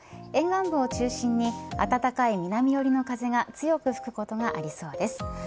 沿岸部を中心に暖かい南寄りの風が強く吹くことがありそうです。